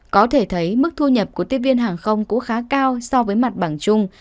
có thể thấy mức thu nhập của tiếp viên hàng không cũng khá cao so với mặt bằng chung